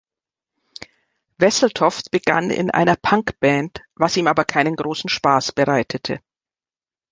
Wesseltoft begann in einer Punkband, was ihm aber keinen großen Spaß bereitete.